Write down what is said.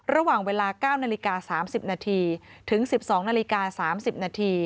ระหว่างเวลา๙น๓๐นถึง๑๒น๓๐น